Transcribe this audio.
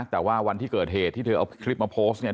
แต่ว่าวันที่เกิดเหตุที่เธอเอาคลิปมาโพสต์เนี่ย